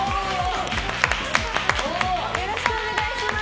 よろしくお願いします！